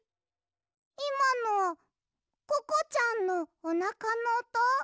いまのココちゃんのおなかのおと？